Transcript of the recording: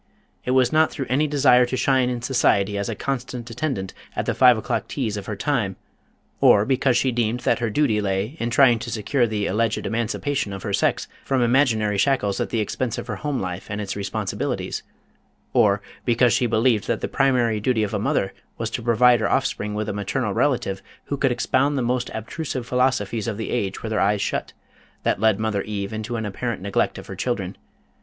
It was not through any desire to shine in society as a constant attendant at the Five O'Clock teas of her time, or, because she deemed that her duty lay in trying to secure the alleged Emancipation of her Sex from imaginary shackles at the expense of her home life and its responsibilities; or, because she believed that the primary duty of a mother was to provide her offspring with a maternal relative who could expound the most abstruse philosophies of the age with her eyes shut, that led Mother Eve into an apparent neglect of her children.